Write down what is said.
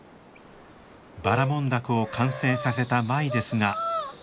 ばらもん凧を完成させた舞ですが。